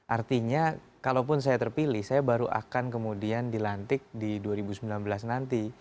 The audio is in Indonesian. artinya kalaupun saya terpilih saya baru akan kemudian dilantik di dua ribu sembilan belas nanti